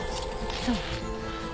そう。